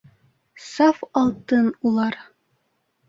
- Саф алтын улар.